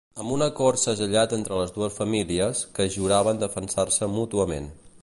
Amb un acord segellat entre les dues famílies, que juraven defensar-se mútuament.